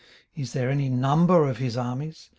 18:025:003 Is there any number of his armies?